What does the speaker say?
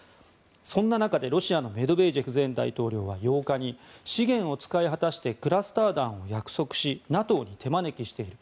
そんな中で、ロシアのメドベージェフ前大統領は８日に資源を使い果たしてクラスター弾を約束しＮＡＴＯに手招きしている。